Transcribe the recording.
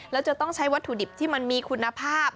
แล้วจะต้องใช้วัตถุดิบที่มันมีคุณภาพ